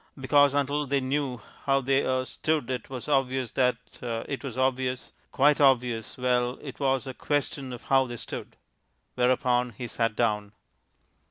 Because until they knew how they er stood, it was obvious that it was obvious quite obvious well it was a question of how they stood. Whereupon he sat down.